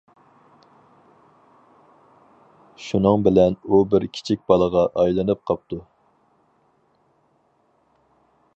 شۇنىڭ بىلەن ئۇ بىر كىچىك بالىغا ئايلىنىپ قاپتۇ.